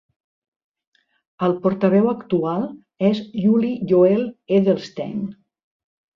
El portaveu actual és Yuli-Yoel Edelstein.